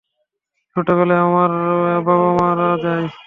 ছোটোবেলায় আমার বাবা মারা যায়।